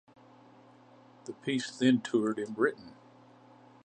The piece then toured in Britain.